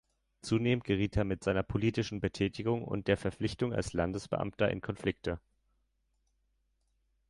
Zunehmend geriet er mit seiner politischen Betätigung und der Verpflichtung als Landesbeamter in Konflikte.